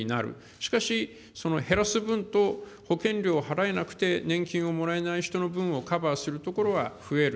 しかし減らす分と保険料を払えなくて年金をもらえない人の分をカバーするところは増える。